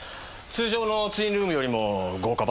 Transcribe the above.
通常のツインルームよりも豪華版。